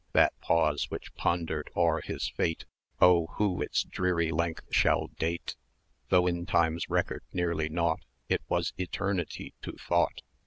That pause, which pondered o'er his fate, Oh, who its dreary length shall date! 270 Though in Time's record nearly nought, It was Eternity to Thought!